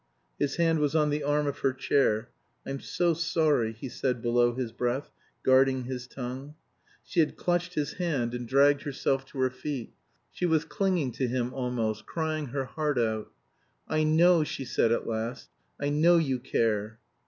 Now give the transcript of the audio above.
His hand was on the arm of her chair. "I'm so sorry," he said below his breath, guarding his tongue. She had clutched his hand and dragged herself to her feet. She was clinging to him almost, crying her heart out. "I know," she said at last, "I know you care."